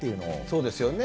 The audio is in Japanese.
そうですよね。